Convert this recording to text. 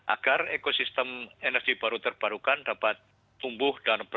agar ekosistem energi baru terbarukan dapat tumbuh dan berkembang